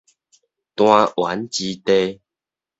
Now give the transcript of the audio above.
彈丸之地